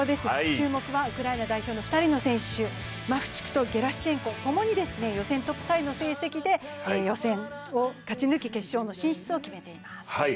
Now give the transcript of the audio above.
注目はウクライナ代表の２人の選手マフチクとゲラシュチェンコ、共に予選トップの成績で予選を勝ち抜き、決勝の進出を決めています。